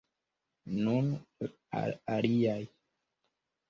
Nun al aliaj!